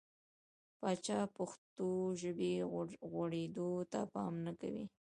پاچا پښتو ژبې غوړېدو ته پام نه کوي .